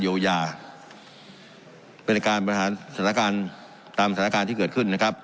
เยียวยาเป็นการบริหารสถานการณ์ตามสถานการณ์ที่เกิดขึ้นนะครับ